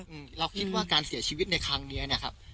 อืมเราคิดว่าการเสียชีวิตในครั้งเนี้ยนะครับ